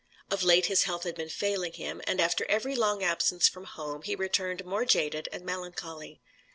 Of late his health had been failing him, and after every long absence from home, he returned more jaded and melancholy.